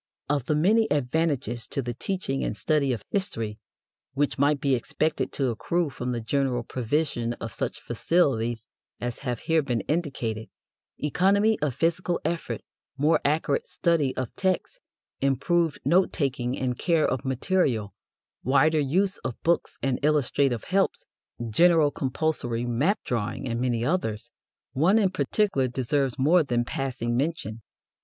Of the many advantages to the teaching and study of history which might be expected to accrue from the general provision of such facilities as have here been indicated economy of physical effort, more accurate study of texts, improved note taking and care of material, wider use of books and illustrative helps, general compulsory map drawing, and many others one in particular deserves more than passing mention.